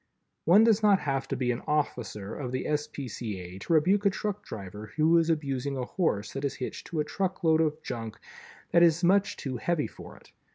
One does not have to be an officer of the S. P. C. A. to rebuke a truck driver who is abusing a horse that is hitched to a truckload of junk that is much too heavy for it.